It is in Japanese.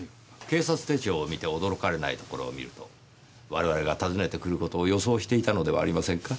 警察手帳を見て驚かれないところをみると我々が訪ねてくる事を予想していたのではありませんか？